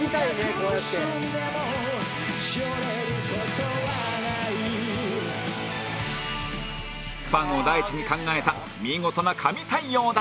こうやって」「萎れることはない」ファンを第一に考えた見事な神対応だった